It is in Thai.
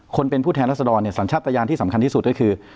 คนเป็นผู้แทนรัศดรสัญชาตญาณที่สำคัญที่สุดก็คือ